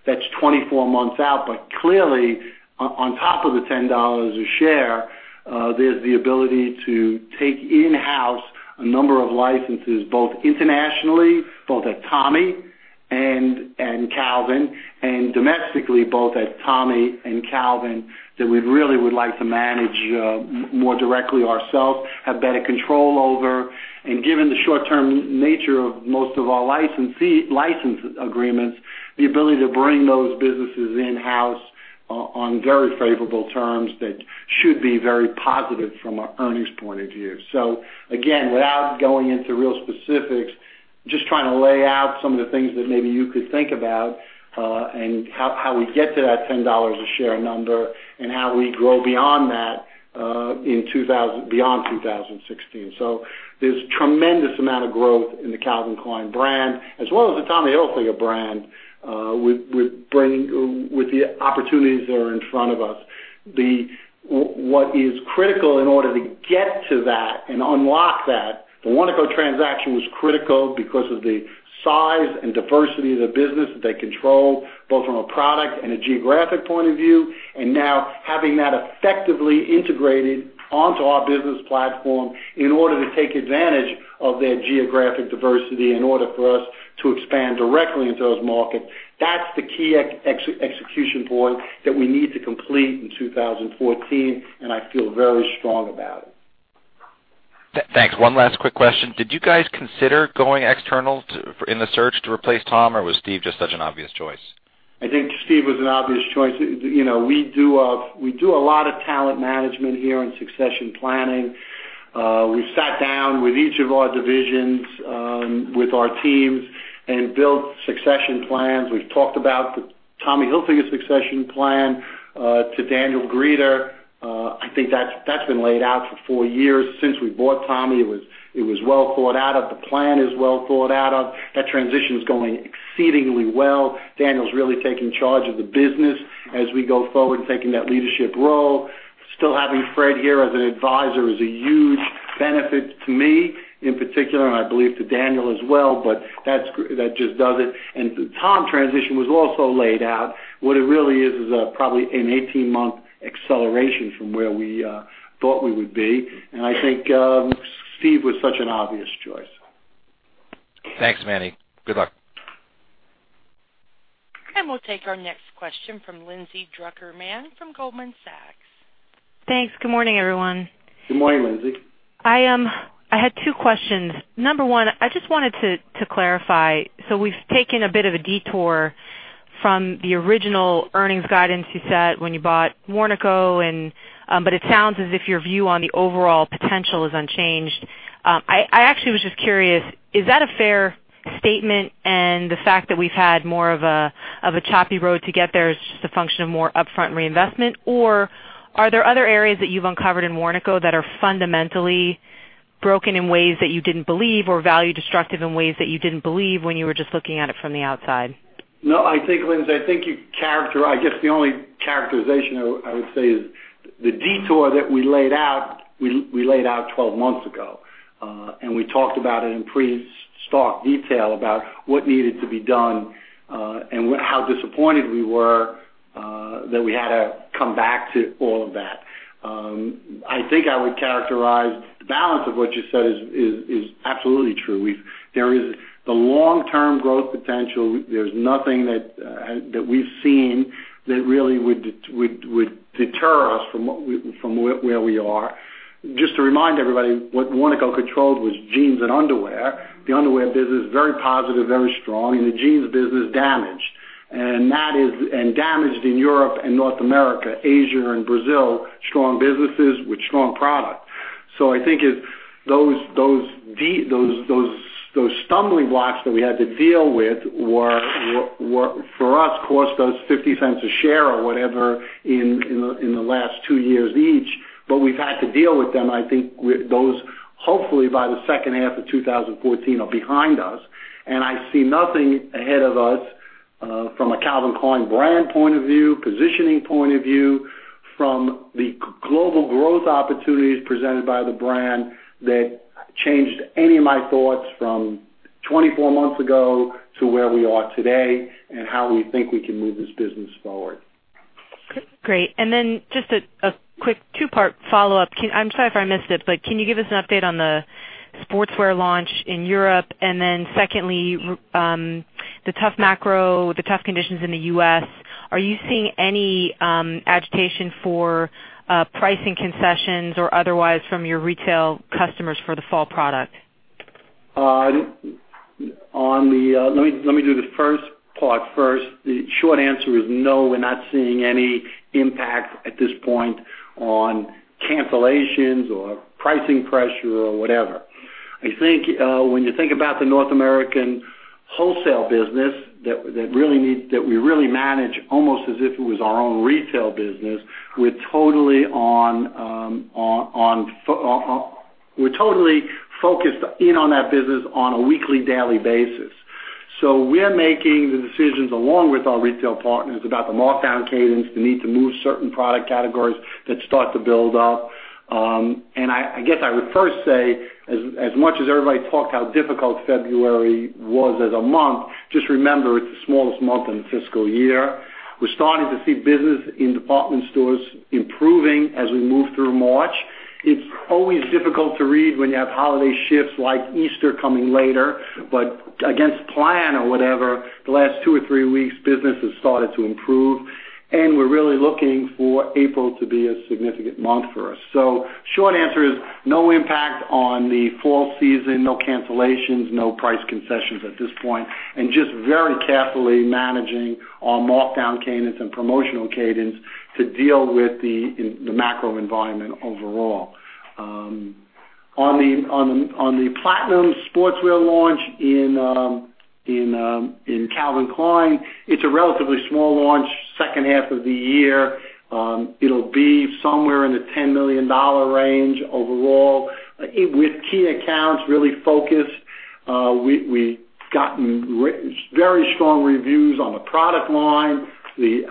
that's 24 months out. But clearly, on top of the $10 a share, there's the ability to take in-house a number of licenses, both internationally, both at Tommy and Calvin, and domestically, both at Tommy and Calvin, that we really would like to manage more directly ourselves, have better control over. Given the short-term nature of most of our license agreements, the ability to bring those businesses in-house on very favorable terms that should be very positive from an earnings point of view. Again, without going into real specifics, just trying to lay out some of the things that maybe you could think about, how we get to that $10 a share number, and how we grow beyond that beyond 2016. There's tremendous amount of growth in the Calvin Klein brand, as well as the Tommy Hilfiger brand, with the opportunities that are in front of us. What is critical in order to get to that and unlock that, the Warnaco transaction was critical because of the size and diversity of the business that they control, both from a product and a geographic point of view. Now having that effectively integrated onto our business platform in order to take advantage of their geographic diversity, in order for us to expand directly into those markets. That's the key execution point that we need to complete in 2014. I feel very strong about it. Thanks. One last quick question. Did you guys consider going external in the search to replace Tom, or was Steve just such an obvious choice? I think Steve was an obvious choice. We do a lot of talent management here and succession planning. We've sat down with each of our divisions, with our teams, and built succession plans. We've talked about the Tommy Hilfiger succession plan to Daniel Grieder. I think that's been laid out for four years since we bought Tommy. It was well thought out. The plan is well thought out. That transition is going exceedingly well. Daniel's really taking charge of the business as we go forward and taking that leadership role. Still having Fred here as an advisor is a huge benefit to me in particular, and I believe to Daniel as well, but that just does it. The Tom transition was also laid out. What it really is probably an 18-month acceleration from where we thought we would be. I think Steve was such an obvious choice. Thanks, Manny. Good luck. We'll take our next question from Lindsay Drucker Mann from Goldman Sachs. Thanks. Good morning, everyone. Good morning, Lindsay. I had two questions. Number one, I just wanted to clarify. We've taken a bit of a detour from the original earnings guidance you set when you bought Warnaco, it sounds as if your view on the overall potential is unchanged. I actually was just curious, is that a fair statement? The fact that we've had more of a choppy road to get there is just a function of more upfront reinvestment? Or are there other areas that you've uncovered in Warnaco that are fundamentally broken in ways that you didn't believe or value-destructive in ways that you didn't believe when you were just looking at it from the outside? No, I think, Lindsay, I guess the only characterization I would say is the detour that we laid out, we laid out 12 months ago. We talked about it in pretty stark detail about what needed to be done, and how disappointed we were that we had to come back to all of that. I think I would characterize the balance of what you said is absolutely true. The long-term growth potential, there's nothing that we've seen that really would deter us from where we are. Just to remind everybody, what Warnaco controlled was jeans and underwear. The underwear business, very positive, very strong. The jeans business, damaged. Damaged in Europe and North America. Asia and Brazil, strong businesses with strong product. I think those stumbling blocks that we had to deal with, for us, cost us $0.50 a share or whatever in the last two years each, but we've had to deal with them. I think those, hopefully by the second half of 2014, are behind us, and I see nothing ahead of us from a Calvin Klein brand point of view, positioning point of view, from the global growth opportunities presented by the brand, that changed any of my thoughts from 24 months ago to where we are today and how we think we can move this business forward. Great. Just a quick two-part follow-up. I'm sorry if I missed it, but can you give us an update on the sportswear launch in Europe? Secondly, the tough macro, the tough conditions in the U.S., are you seeing any agitation for pricing concessions or otherwise from your retail customers for the fall product? Let me do the first part first. The short answer is no, we're not seeing any impact at this point on cancellations or pricing pressure or whatever. When you think about the North American wholesale business that we really manage almost as if it was our own retail business, we're totally focused in on that business on a weekly, daily basis. We're making the decisions along with our retail partners about the markdown cadence, the need to move certain product categories that start to build up. I guess I would first say, as much as everybody talked how difficult February was as a month, just remember it's the smallest month in the fiscal year. We're starting to see business in department stores improving as we move through March. It's always difficult to read when you have holiday shifts like Easter coming later. Against plan or whatever, the last two or three weeks, business has started to improve, and we're really looking for April to be a significant month for us. Short answer is, no impact on the fall season, no cancellations, no price concessions at this point, and just very carefully managing our markdown cadence and promotional cadence to deal with the macro environment overall. On the platinum sportswear launch in Calvin Klein, it's a relatively small launch, second half of the year. It'll be somewhere in the $10 million range overall. With key accounts really focused, we've gotten very strong reviews on the product line,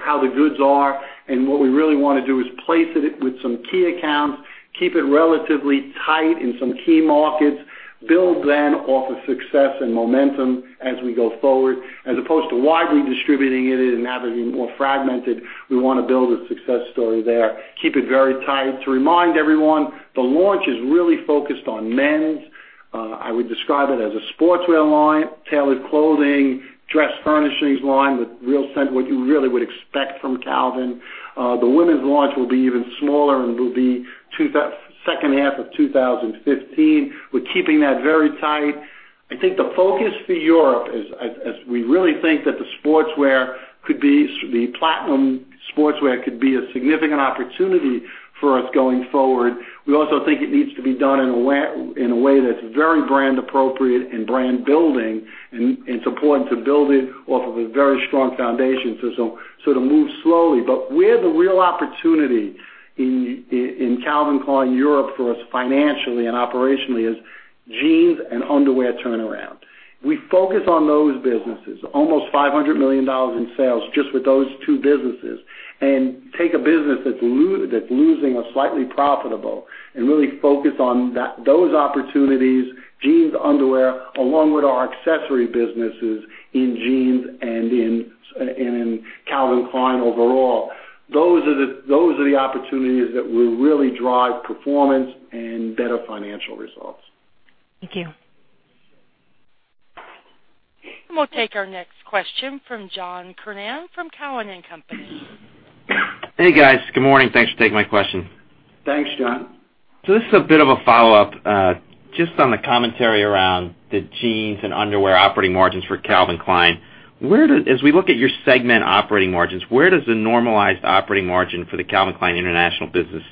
how the goods are. What we really want to do is place it with some key accounts, keep it relatively tight in some key markets, build then off of success and momentum as we go forward, as opposed to widely distributing it and have it be more fragmented. We want to build a success story there, keep it very tight. To remind everyone, the launch is really focused on men's. I would describe it as a sportswear line, tailored clothing, dress furnishings line with what you really would expect from Calvin. The women's launch will be even smaller and will be second half of 2015. We're keeping that very tight. I think the focus for Europe is, as we really think that the Platinum sportswear could be a significant opportunity for us going forward. We also think it needs to be done in a way that's very brand appropriate and brand building, and it's important to build it off of a very strong foundation system. To move slowly. Where the real opportunity in Calvin Klein Europe for us financially and operationally is jeans and underwear turnaround. We focus on those businesses, almost $500 million in sales just with those two businesses, and take a business that's losing or slightly profitable and really focus on those opportunities, jeans, underwear, along with our accessory businesses in jeans and in Calvin Klein overall. Those are the opportunities that will really drive performance and better financial results. Thank you. We'll take our next question from John Kernan from Cowen and Company. Hey, guys. Good morning. Thanks for taking my question. Thanks, John. This is a bit of a follow-up. Just on the commentary around the jeans and underwear operating margins for Calvin Klein. As we look at your segment operating margins, where does the normalized operating margin for the Calvin Klein international business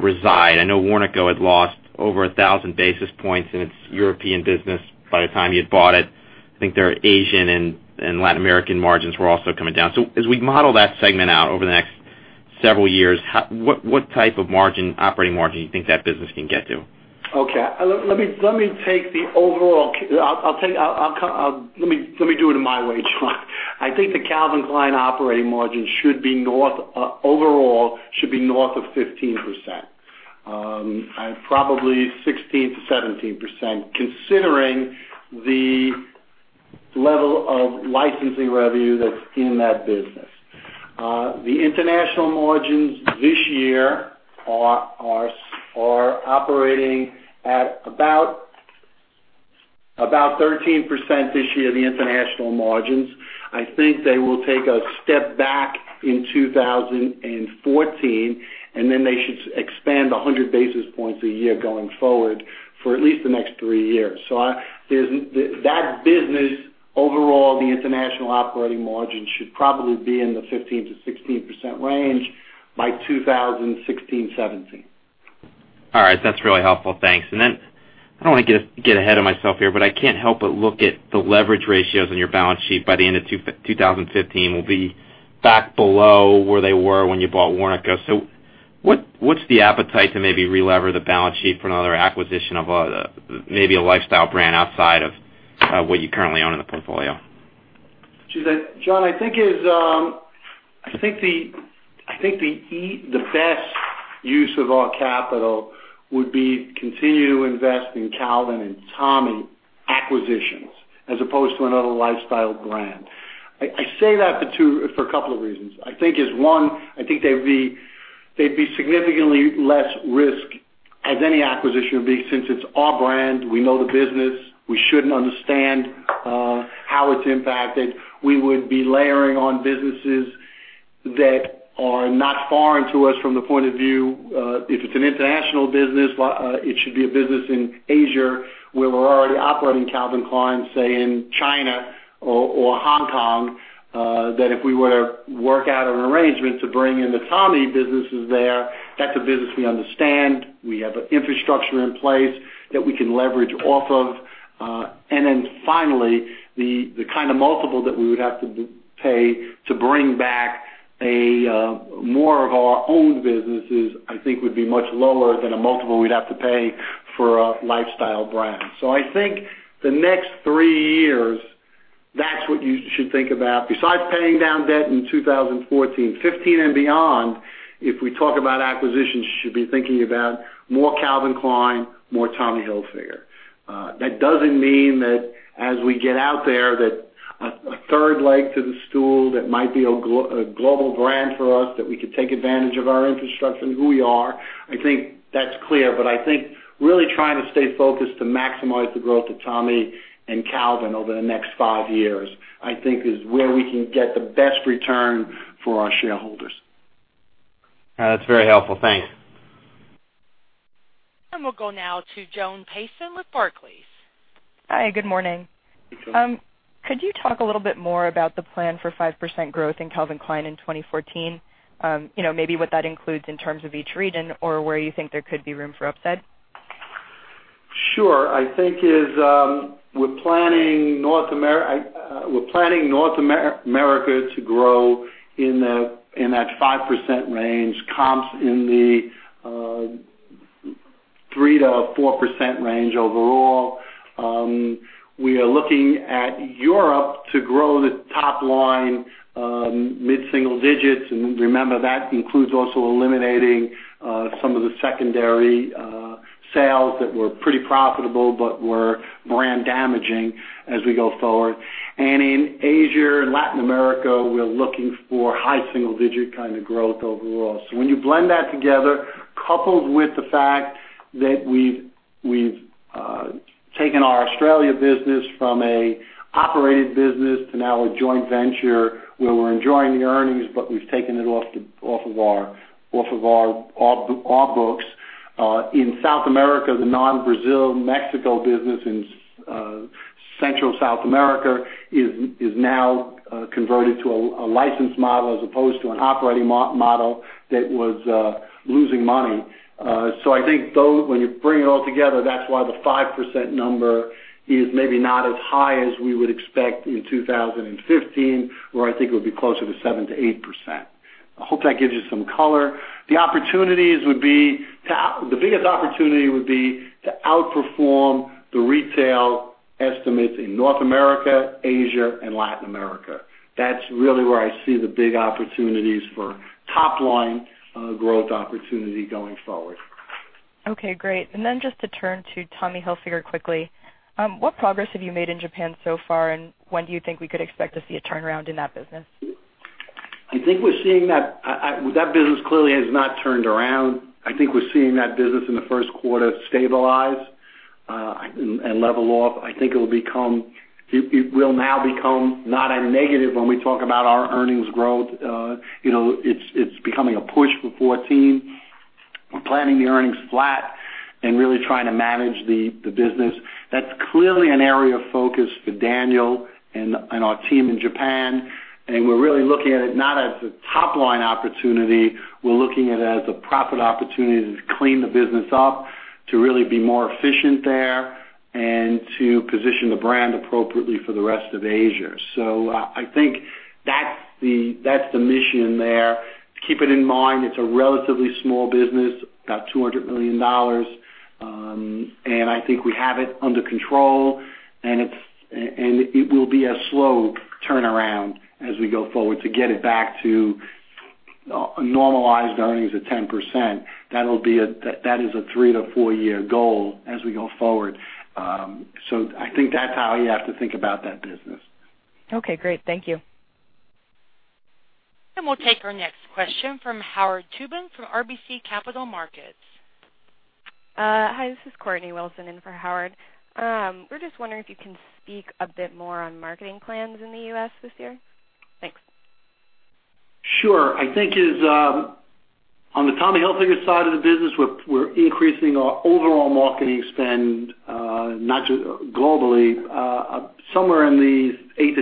reside? I know Warnaco had lost over 1,000 basis points in its European business by the time you'd bought it. I think their Asian and Latin American margins were also coming down. As we model that segment out over the next several years, what type of operating margin do you think that business can get to? Okay. Let me do it in my way, John. I think the Calvin Klein operating margin should be north of 15%. Probably 16%-17%, considering the level of licensing revenue that's in that business. The international margins this year are operating at About 13% this year, the international margins. I think they will take a step back in 2014, then they should expand 100 basis points a year going forward for at least the next three years. That business, overall, the international operating margin should probably be in the 15%-16% range by 2016, 2017. All right. That's really helpful. Thanks. I don't want to get ahead of myself here, but I can't help but look at the leverage ratios on your balance sheet. By the end of 2015, will be back below where they were when you bought Warnaco. What's the appetite to maybe relever the balance sheet for another acquisition of maybe a lifestyle brand outside of what you currently own in the portfolio? John, I think the best use of our capital would be continue to invest in Calvin and Tommy acquisitions as opposed to another lifestyle brand. I say that for a couple of reasons. I think is one, I think they'd be significantly less risk as any acquisition would be, since it's our brand. We know the business. We should understand how it's impacted. We would be layering on businesses that are not foreign to us from the point of view. If it's an international business, it should be a business in Asia where we're already operating Calvin Klein, say in China or Hong Kong, that if we were to work out an arrangement to bring in the Tommy businesses there, that's a business we understand. We have infrastructure in place that we can leverage off of. Finally, the kind of multiple that we would have to pay to bring back more of our own businesses, I think would be much lower than a multiple we'd have to pay for a lifestyle brand. I think the next three years, that's what you should think about besides paying down debt in 2014. 2015 and beyond, if we talk about acquisitions, you should be thinking about more Calvin Klein, more Tommy Hilfiger. That doesn't mean that as we get out there, that a third leg to the stool, that might be a global brand for us, that we could take advantage of our infrastructure and who we are. I think that's clear, but I think really trying to stay focused to maximize the growth of Tommy and Calvin over the next five years, I think is where we can get the best return for our shareholders. That's very helpful. Thanks. We'll go now to Joan Payson with Barclays. Hi. Good morning. Hey, Joan. Could you talk a little bit more about the plan for 5% growth in Calvin Klein in 2014? Maybe what that includes in terms of each region or where you think there could be room for upside. We're planning North America to grow in that 5% range, comps in the 3%-4% range overall. We are looking at Europe to grow the top line mid-single digits. Remember, that includes also eliminating some of the secondary sales that were pretty profitable but were brand damaging as we go forward. In Asia and Latin America, we're looking for high single digit kind of growth overall. When you blend that together, coupled with the fact that we've taken our Australia business from an operated business to now a joint venture where we're enjoying the earnings, but we've taken it off of our books. In South America, the non-Brazil Mexico business in Central South America is now converted to a licensed model as opposed to an operating model that was losing money. I think when you bring it all together, that's why the 5% number is maybe not as high as we would expect in 2015, where I think it would be closer to 7%-8%. I hope that gives you some color. The biggest opportunity would be to outperform the retail estimates in North America, Asia, and Latin America. That's really where I see the big opportunities for top-line growth opportunity going forward. Okay, great. Then just to turn to Tommy Hilfiger quickly. What progress have you made in Japan so far, and when do you think we could expect to see a turnaround in that business? I think that business clearly has not turned around. I think we're seeing that business in the first quarter stabilize and level off. I think it will now become not a negative when we talk about our earnings growth. It's becoming a push for 2014. We're planning the earnings flat and really trying to manage the business. That's clearly an area of focus for Daniel and our team in Japan, and we're really looking at it not as a top-line opportunity. We're looking at it as a profit opportunity to clean the business up, to really be more efficient there, and to position the brand appropriately for the rest of Asia. I think that's the mission there. Keeping in mind it's a relatively small business, about $200 million. I think we have it under control. It will be a slow turnaround as we go forward to get it back to normalized earnings of 10%. That is a three-to-four-year goal as we go forward. I think that's how you have to think about that business. Okay, great. Thank you. We'll take our next question from Howard Tubin from RBC Capital Markets. Hi, this is Courtney Wilson in for Howard. We're just wondering if you can speak a bit more on marketing plans in the U.S. this year. Thanks. Sure. I think on the Tommy Hilfiger side of the business, we're increasing our overall marketing spend globally somewhere in the $8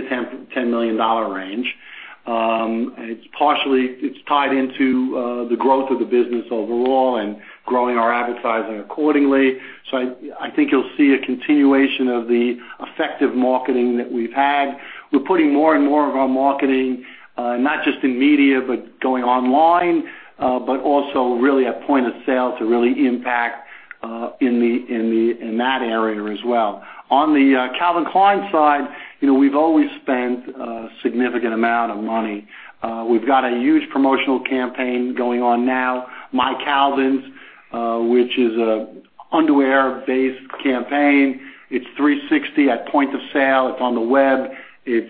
million-$10 million range. It's tied into the growth of the business overall and growing our advertising accordingly. I think you'll see a continuation of the effective marketing that we've had. We're putting more and more of our marketing, not just in media, but going online, but also really at point of sale to really impact in that area as well. On the Calvin Klein side, we've always spent a significant amount of money. We've got a huge promotional campaign going on now, My Calvins, which is an underwear-based campaign. It's 360 at point of sale. It's on the web. It's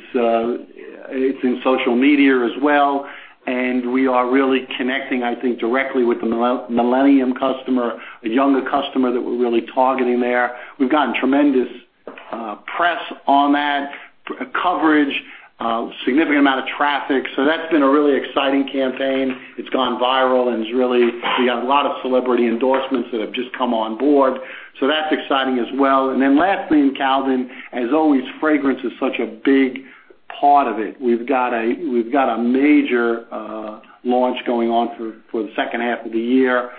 in social media as well. We are really connecting, I think, directly with the millennium customer, a younger customer that we're really targeting there. We've gotten tremendous press on that, coverage, significant amount of traffic. That's been a really exciting campaign. It's gone viral and we got a lot of celebrity endorsements that have just come on board. That's exciting as well. Lastly, in Calvin, as always, fragrance is such a big part of it. We've got a major launch going on for the second half of the year,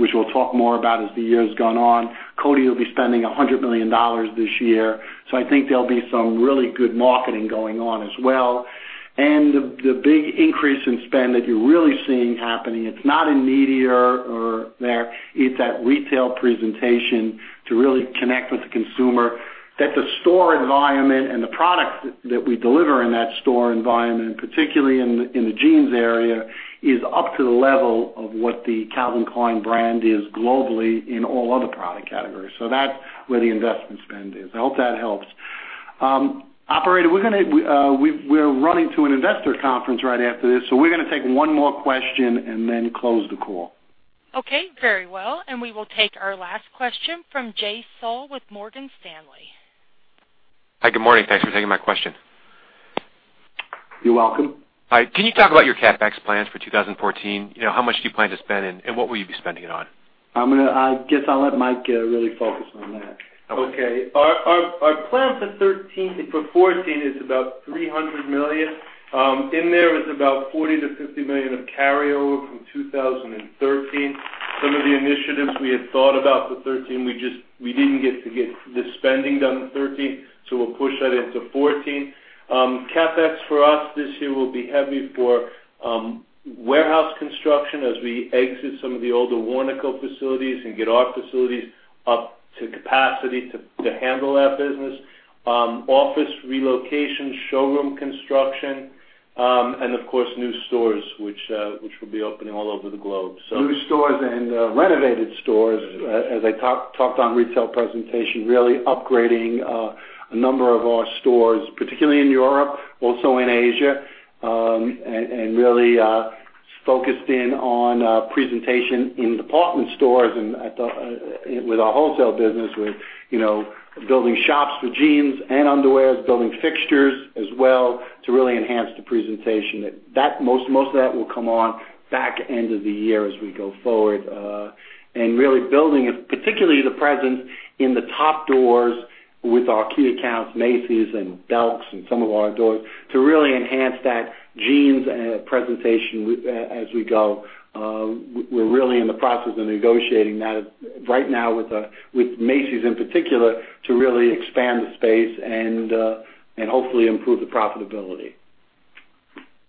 which we'll talk more about as the year's gone on. Coty will be spending $100 million this year. I think there'll be some really good marketing going on as well. The big increase in spend that you're really seeing happening, it's not in media or there, it's at retail presentation to really connect with the consumer, that the store environment and the products that we deliver in that store environment, particularly in the jeans area, is up to the level of what the Calvin Klein brand is globally in all other product categories. That's where the investment spend is. I hope that helps. Operator, we're running to an investor conference right after this, so we're going to take one more question and then close the call. Okay. Very well. We will take our last question from Jay Sole with Morgan Stanley. Hi, good morning. Thanks for taking my question. You're welcome. Hi. Can you talk about your CapEx plans for 2014? How much do you plan to spend, and what will you be spending it on? I guess I'll let Mike really focus on that. Okay. Our plan for 2014 is about $300 million. In there is about $40 million-$50 million of carryover from 2013. Some of the initiatives we had thought about for 2013, we didn't get the spending done in 2013. We'll push that into 2014. CapEx for us this year will be heavy for warehouse construction as we exit some of the older Warnaco facilities and get our facilities up to capacity to handle that business. Office relocation, showroom construction, and of course, new stores, which will be opening all over the globe. New stores and renovated stores, as I talked on retail presentation, really upgrading a number of our stores, particularly in Europe, also in Asia. Really focusing in on presentation in department stores and with our wholesale business, with building shops for jeans and underwear, building fixtures as well to really enhance the presentation. Most of that will come on back end of the year as we go forward. Really building, particularly the presence in the top doors with our key accounts, Macy's and Belk and some of our doors to really enhance that jeans presentation as we go. We're really in the process of negotiating that right now with Macy's in particular, to really expand the space and hopefully improve the profitability.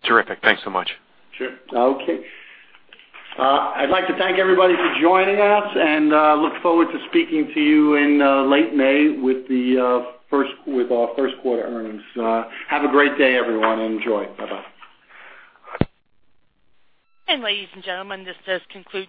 Terrific. Thanks so much. Sure. Okay. I'd like to thank everybody for joining us and look forward to speaking to you in late May with our first quarter earnings. Have a great day, everyone, and enjoy. Bye-bye. ladies and gentlemen, this does conclude